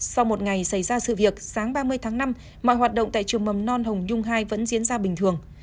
sau một ngày xảy ra sự việc sáng ba mươi tháng năm mọi hoạt động tại trường mầm non hồng nhung hai vẫn diễn ra bình thường